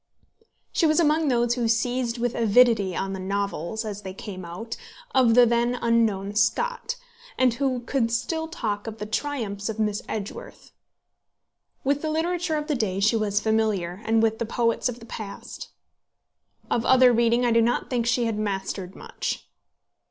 She was among those who seized with avidity on the novels, as they came out, of the then unknown Scott, and who could still talk of the triumphs of Miss Edgeworth. With the literature of the day she was familiar, and with the poets of the past. Of other reading I do not think she had mastered much.